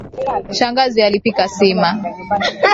Shangazi alipika sima.